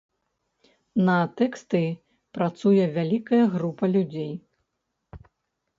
На тэксты працуе вялікая група людзей.